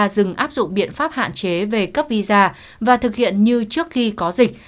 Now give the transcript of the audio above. dừng áp dụng biện pháp hạn chế về cấp visa và thực hiện như trước khi có dịch